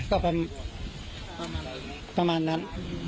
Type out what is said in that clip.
ก็ประมาณนั้น